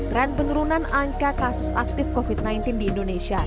dan penurunan angka kasus aktif covid sembilan belas di indonesia